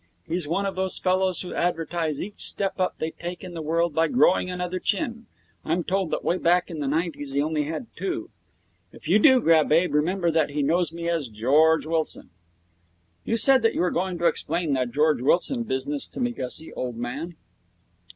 He's one of those fellows who advertise each step up they take in the world by growing another chin. I'm told that way back in the nineties he only had two. If you do grab Abe, remember that he knows me as George Wilson.' 'You said that you were going to explain that George Wilson business to me, Gussie, old man.'